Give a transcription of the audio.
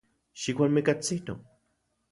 Xiualmuikatsino.